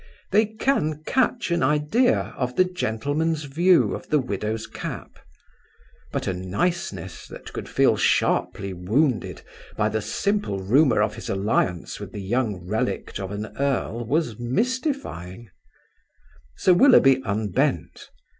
They can catch an idea of a gentleman's view of the widow's cap. But a niceness that could feel sharply wounded by the simple rumour of his alliance with the young relict of an earl was mystifying. Sir Willoughby unbent.